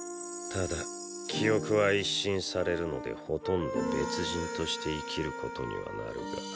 ただ記憶は一新されるのでほとんど別人として生きることにはなるが。